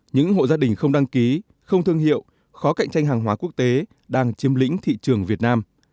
những hộ gia đình không đăng ký không thương hiệu khó cạnh tranh hàng hóa quốc tế đang chiếm lĩnh thị trường việt nam